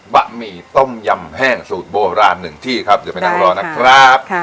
ะหมี่ต้มยำแห้งสูตรโบราณหนึ่งที่ครับเดี๋ยวไปนั่งรอนะครับ